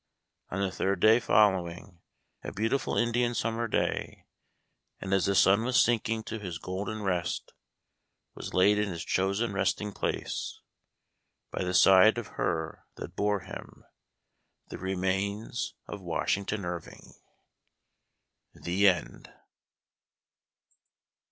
On the third day following, a beautiful Indian summer day, and as the sun was sinking to his " golden rest," was laid in his chosen resting place, by the side of her that bore him, the remains of Washington Irving. the END.